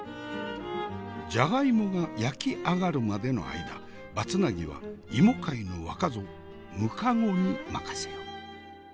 ジャガイモが焼き上がるまでの間場つなぎは芋界の若造むかごに任せよう。